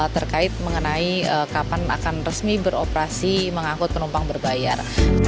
terkait mengenai kapan akan resmi beroperasi mengangkut penumpang berbayar